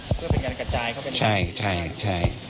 เพื่อเป็นการกระจายเข้าไปใช่ใช่